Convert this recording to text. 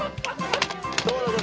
どうなの？